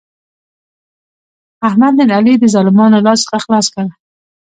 احمد نن علي د ظالمانو له لاس څخه خلاص کړ.